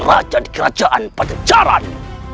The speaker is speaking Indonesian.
raja di kerajaan pada jalan